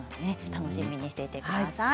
楽しみにしていてください。